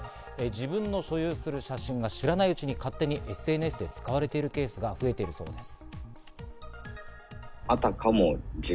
自分の所有する写真が知らないうちに勝手にＳＮＳで使われているケースが増えているそうです。